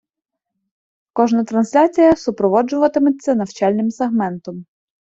Кожна трансляція супроводжуватиметься навчальним сегментом.